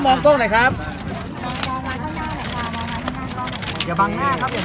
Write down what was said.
ขอช่วยคุณพี่อีกท่านหนึ่งครับ